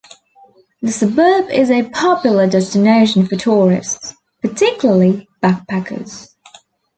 The suburb is a popular destination for tourists, particularly backpackers.